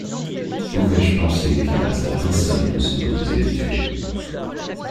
Pouvais-je penser qu’il restât un seul de ceux que vous aviez tués?